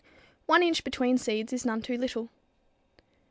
One inch between seeds is none too little.